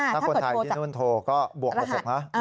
ถ้าคนไทยที่นู่นโทรก็บวก๖๖นะ